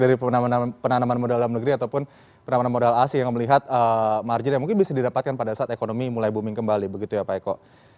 jadi penanaman modal dalam negeri ataupun penanaman modal asing yang melihat margin yang mungkin bisa didapatkan pada saat ekonomi mulai booming kembali begitu ya pak eko